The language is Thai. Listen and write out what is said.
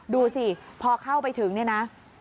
ดูสิพอเข้าไปถึงเนี่ยนะ